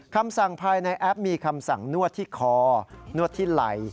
คำสั่งภายในแอปมีคำสั่งนวดที่คอนวดที่ไหล่